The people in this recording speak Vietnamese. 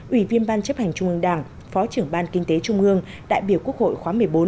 ủy viên ban chấp hành trung ương đảng phó trưởng ban kinh tế trung ương đại biểu quốc hội khóa một mươi bốn